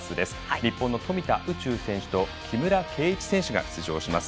日本の富田宇宙選手と木村敬一選手が出場します。